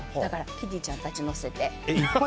キティちゃんたち載せた。